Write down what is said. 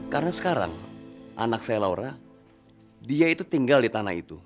karena sekarang anak saya laura dia itu tinggal di tanah itu